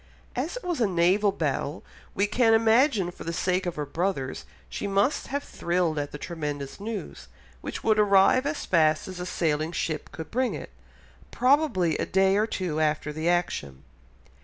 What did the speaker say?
As it was a naval battle, we can imagine for the sake of her brothers she must have thrilled at the tremendous news, which would arrive as fast as a sailing ship could bring it—probably a day or two after the action.